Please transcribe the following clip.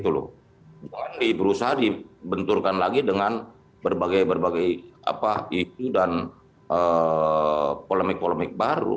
bukan berusaha dibenturkan lagi dengan berbagai polemik polemik baru